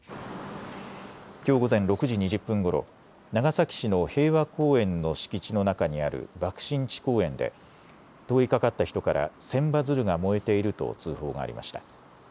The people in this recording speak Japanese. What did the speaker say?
きょう午前６時２０分ごろ長崎市の平和公園の敷地の中にある爆心地公園で通りかかった人から千羽鶴が燃えていると通報がありました。